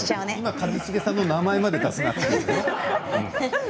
一茂さんの名前まで出さなくていいよ。